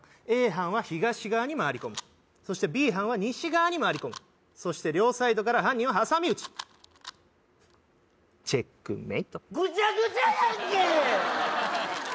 Ａ班は東側に回り込むそしてＢ班は西側に回り込むそして両サイドから犯人を挟み撃ちチェックメイトグチャグチャやんけ！